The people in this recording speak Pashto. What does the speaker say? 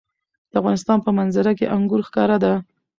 د افغانستان په منظره کې انګور ښکاره ده.